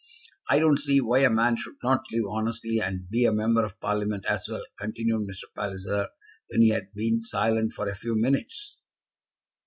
"I don't see why a man should not live honestly and be a Member of Parliament as well," continued Mr. Palliser, when he had been silent for a few minutes.